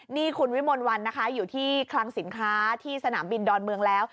นี่คุณวิมลวันนะคะอยู่ที่คลังสินค้าที่สนามบินดอนเมืองแล้ว